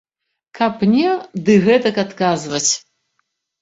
Каб мне ды гэтак адказваць.